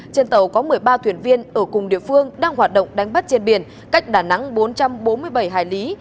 trên tàu có một mươi ba thuyền viên ở cùng địa phương đang hoạt động đánh bắt trên biển cách đà nẵng bốn trăm bốn mươi bảy hải lý